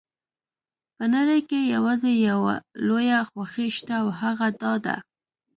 په نړۍ کې یوازې یوه لویه خوښي شته او هغه دا ده.